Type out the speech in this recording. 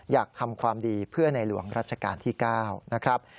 อยากทำความดีเพื่อในหลวงรัชกาลที่๙นะครับ